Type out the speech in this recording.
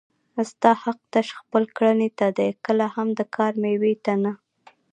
ستا حق تش خپل کړنې ته دی کله هم د کار مېوې ته نه